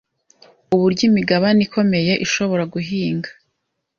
uburyo imigabane ikomeye ishobora guhinga